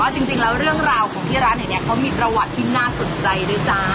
จริงแล้วเรื่องราวของที่ร้านแห่งนี้เขามีประวัติที่น่าสนใจด้วยจ้า